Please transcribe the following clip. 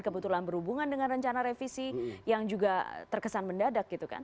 kebetulan berhubungan dengan rencana revisi yang juga terkesan mendadak gitu kan